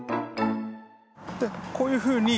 こういうふうに